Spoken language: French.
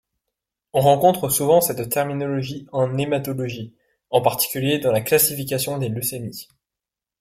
On rencontre souvent cette terminologie en hématologie, en particulier dans la classification des leucémies.